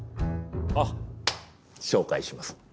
あっ紹介します。